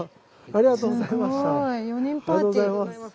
ありがとうございます。